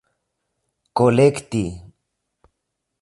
kolekti